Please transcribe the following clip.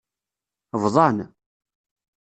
Bḍan.